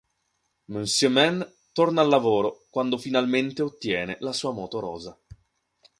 Monsieur Man torna al lavoro quando finalmente ottiene la sua moto rosa.